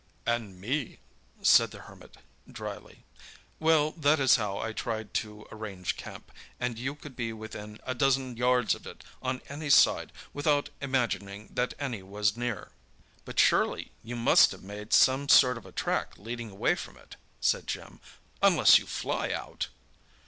"And me," said the Hermit drily. "Well that is how I tried to arrange camp, and you could be within a dozen yards of it on any side without imagining that any was near." "But surely you must have made some sort of a track leading away from it," said Jim, "unless you fly out!"